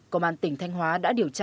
công an tỉnh thanh hóa đã điều trị